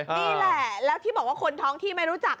นี่แหละแล้วที่บอกว่าคนท้องที่ไม่รู้จัก